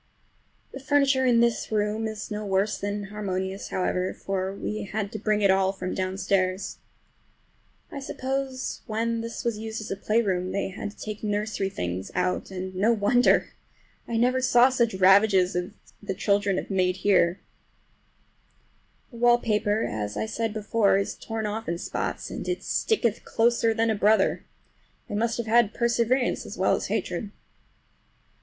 The furniture in this room is no worse than inharmonious, however, for we had to bring it all from downstairs. I suppose when this was used as a playroom they had to take the nursery things out, and no wonder! I never saw such ravages as the children have made here. The wallpaper, as I said before, is torn off in spots, and it sticketh closer than a brother—they must have had perseverance as well as hatred.